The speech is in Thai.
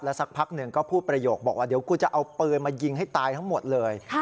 สักพักหนึ่งก็พูดประโยคบอกว่าเดี๋ยวกูจะเอาปืนมายิงให้ตายทั้งหมดเลย